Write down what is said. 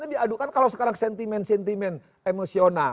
diadukan kalau sekarang sentimen sentimen emosional